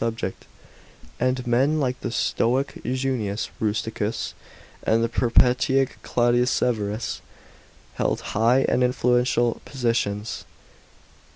ie subject , and men like the Stoic Junius Rusticus and the Peripatetic Claudius Severus held high and influential positions.